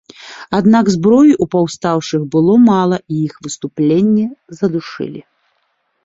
Аднак зброі ў паўстаўшых было мала і іх выступленне задушылі.